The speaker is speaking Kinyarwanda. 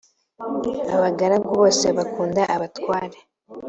abagaragu bose bakunda abatware.